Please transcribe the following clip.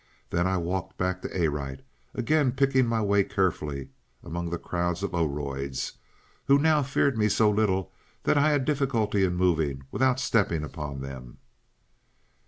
Then I walked back to Arite, again picking my way carefully among crowds of Oroids, who now feared me so little that I had difficulty in moving without stepping upon them.